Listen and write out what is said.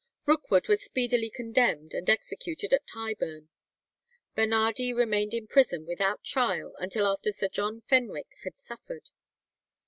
Rookwood was speedily condemned and executed at Tyburn. Bernardi remained in prison without trial, until after Sir John Fenwick had suffered.